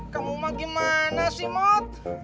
kamu mau gimana sih mot